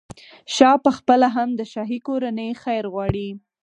شاه پخپله هم د شاهي کورنۍ خیر غواړي.